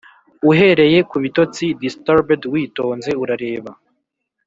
uhereye kubitotsi disturbèd, witonze urareba